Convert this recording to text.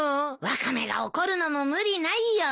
ワカメが怒るのも無理ないよ。